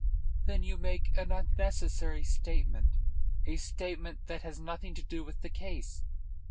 "Then you make an unnecessary statement, a statement that has nothing to do with the case.